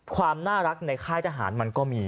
ความน่ารักในค่ายทหารมันก็มี